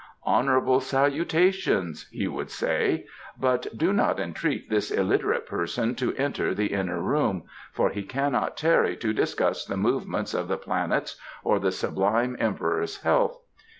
"Honourable salutations," he would say, "but do not entreat this illiterate person to enter the inner room, for he cannot tarry to discuss the movements of the planets or the sublime Emperor's health.